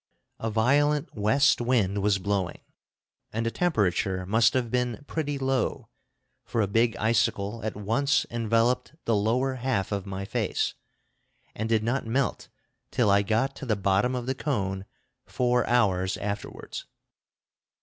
A violent west wind was blowing, and the temperature must have been pretty low, for a big icicle at once enveloped the lower half of my face, and did not melt till I got to the bottom of the cone four hours afterwards.